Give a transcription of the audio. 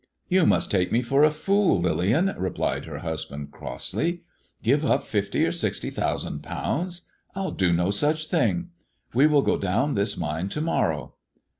"You. must take me for a fool, Lillian,"^ replied her husband crossly. " Give up fifty or sixty thousand pounds I Til do lio such thing. We will go down this; mine to morrow."